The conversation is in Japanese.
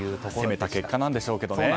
攻めた結果なんでしょうけどね。